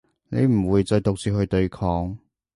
你唔會再獨自去對抗